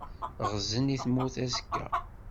Ɣzen i tmurt aẓekka.